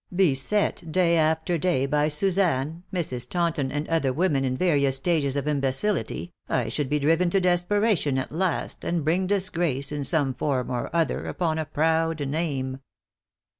Beset day after day by Suzanne, Mrs. Taunton and other women in various stages of imbecility, I should be driven to desperation at last and bring disgrace, in some form or other, upon a proud name.